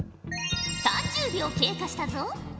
３０秒経過したぞ！